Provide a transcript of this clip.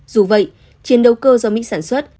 dù vậy chiến đấu cơ do mỹ sản xuất